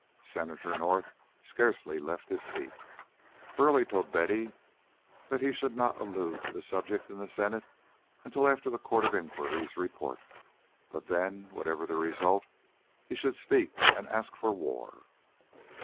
Senator North scarcely left his seat. Burleigh told Betty that he should not allude to the subject in the Senate until after the Court of Inquiry's report, but then, whatever the result, he should speak and ask for war.